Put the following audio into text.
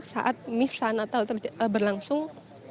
saat misah natal berlangsung